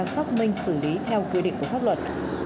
sắp minh xử lý theo quyết định của pháp luật